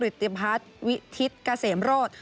ติมพระวิทธิศกาเสมโรธ